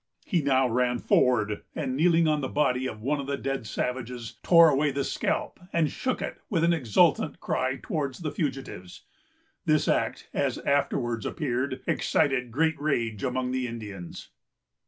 He now ran forward, and, kneeling on the body of one of the dead savages, tore away the scalp, and shook it, with an exultant cry, towards the fugitives. This act, as afterwards appeared, excited great rage among the Indians.